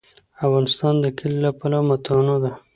افغانستان د کلي له پلوه متنوع دی.